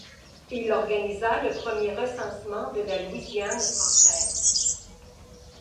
Il organisa le premier recensement de la Louisiane française.